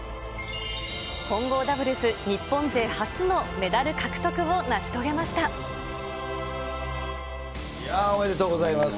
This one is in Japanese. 混合ダブルス、日本勢初のメおめでとうございます。